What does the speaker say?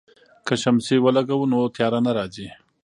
که شمسی ولګوو نو تیاره نه راځي.